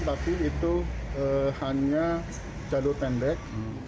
tapi itu hanya jalur pendek